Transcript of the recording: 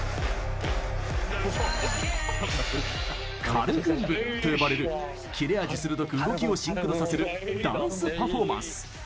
「カル群舞」と呼ばれるキレ味鋭く動きをシンクロさせるダンスパフォーマンス。